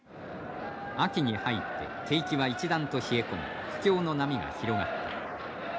秋に入って景気はいちだんと冷え込み不況の波が広がった。